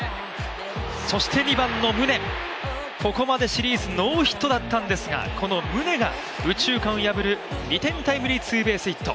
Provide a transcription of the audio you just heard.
そして２番の宗、ここまでシリーズノーヒットだったんですがこの宗が右中間を破る２点タイムリーツーベースヒット。